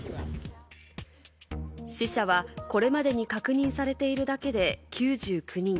死者はこれまでに確認されているだけで９９人。